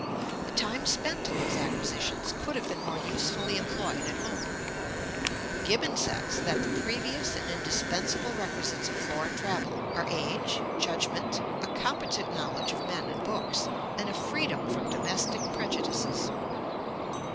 The time spent in these acquisitions could have been more usefully employed at home.' Gibbon (Misc. Works, i. 197) says that 'the previous and indispensable requisites of foreign travel are age, judgment, a competent knowledge of men and books, and a freedom from domestic prejudices.'